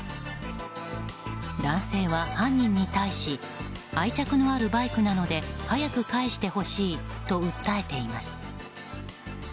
男性は、犯人に対し愛着のあるバイクなので早く返してほしいと訴えています。